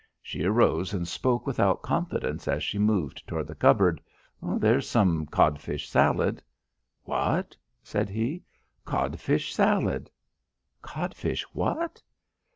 She arose and spoke without confidence as she moved toward the cupboard. "There's some codfish salad." "What?" said he. "Codfish salad." "_Codfish what?